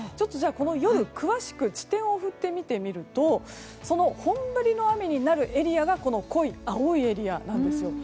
では夜を詳しく地点を振って見てみるとその本降りの雨になるエリアが濃い青いエリアなんです。